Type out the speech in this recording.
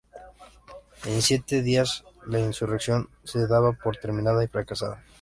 En siete días la insurrección se daba por terminada y fracasada.